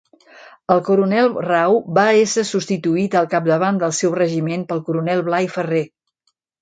El coronel Rau va ésser substituït al capdavant del seu regiment pel coronel Blai Ferrer.